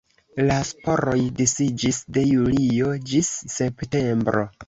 La sporoj disiĝis de julio ĝis septembro.